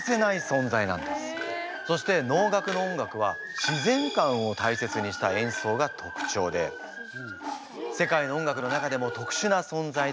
そして能楽の音楽は自然観を大切にした演奏が特徴で世界の音楽の中でも特殊なそんざいといわれております。